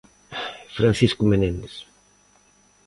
Francisco Menéndez.